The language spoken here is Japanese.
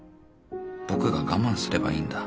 僕が我慢すればいいんだ。